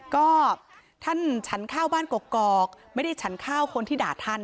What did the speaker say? ก็ท่านฉันข้าวบ้านกอกไม่ได้ฉันข้าวคนที่ด่าท่าน